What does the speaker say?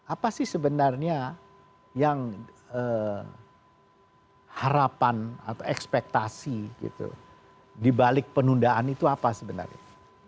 apa sih sebenarnya yang harapan atau ekspektasi gitu dibalik penundaan itu apa sebenarnya